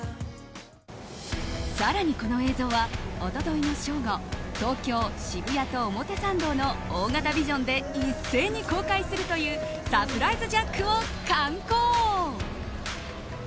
更に、この映像は一昨日の正午東京・渋谷と表参道の大型ビジョンで一斉に公開するというサプライズジャックを敢行。